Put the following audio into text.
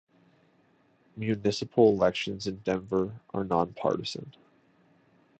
Municipal elections in Denver are nonpartisan.